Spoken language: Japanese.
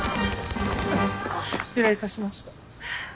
失礼致しました。